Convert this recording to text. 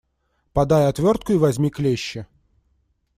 Подай отвертку и возьми клещи.